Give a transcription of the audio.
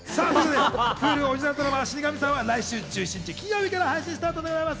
Ｈｕｌｕオリジナルドラマ『死神さん』は来週１７日金曜日から配信スタートです。